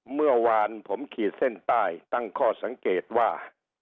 เมื่อวานผมขีดเส้นใต้ตั้งข้อสังเกตว่า